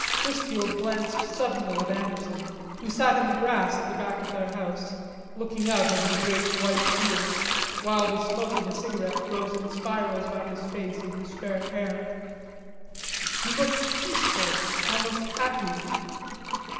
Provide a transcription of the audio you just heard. Chrisfield glanced suddenly at Anderson, who sat in the grass at the back of the house, looking out over the wheat fields, while the smoke of a cigarette rose in spirals about his face and his fair hair. He looked peaceful, almost happy.